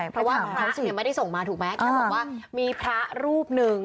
เพราะว่าพระไม่ได้ส่งมาถูกไหมแค่บอกว่ามีพระรูปหนึ่ง